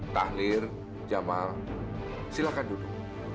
taklir jamal silakan duduk